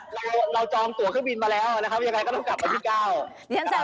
เราเราจองตัวเครื่องบินมาแล้วนะครับยังไงก็ต้องกลับวันที่๙